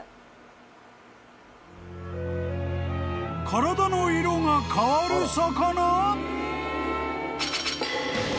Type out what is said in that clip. ［体の色が変わる魚？］